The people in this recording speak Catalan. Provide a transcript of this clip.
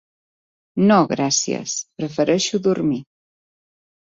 No, gràcies: prefereixo dormir.